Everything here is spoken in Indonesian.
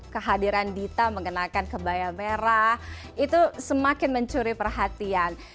kehadiran dita mengenakan kebaya merah itu semakin mencuri perhatian